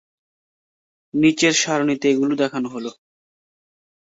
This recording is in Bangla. নিচের সারণিতে এগুলি দেখানো হল।